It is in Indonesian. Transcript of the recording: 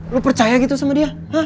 lu percaya gitu sama dia